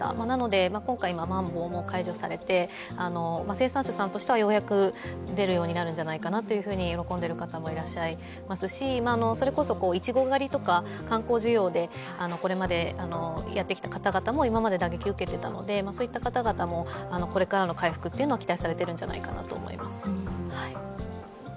なので、今回、まん防も解除されて生産者さんとしてはようやく出るんじゃないかと喜んでいる方もいらっしゃいますしそれこそ、いちご狩りとか観光需要でこれまでやってきた方々も今まで打撃を受けていたので、そういった方々もこれからの回復は期待されているんじゃないかなと思います。